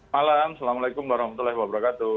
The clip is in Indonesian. malam assalamualaikum warahmatullahi wabarakatuh